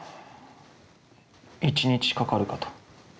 １日かかるかと。